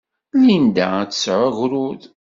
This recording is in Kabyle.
Linda ad d-tesɛu agrud.